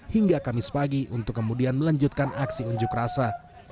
hingga kamis pagi untuk kemudian melanjutkan aksi unjuk rasa